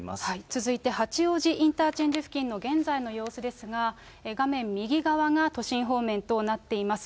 続いて八王子インターチェンジ付近の現在の様子ですが、画面右側が都心方面となっています。